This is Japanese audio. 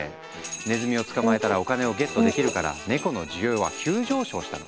ネズミを捕まえたらお金をゲットできるからネコの需要は急上昇したの。